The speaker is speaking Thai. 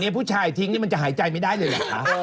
ผู้ชายทิ้งนี่มันจะหายใจไม่ได้เลยเหรอคะ